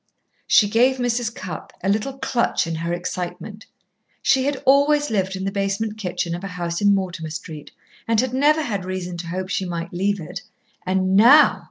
She gave Mrs. Cupp a little clutch in her excitement. She had always lived in the basement kitchen of a house in Mortimer Street and had never had reason to hope she might leave it. And now!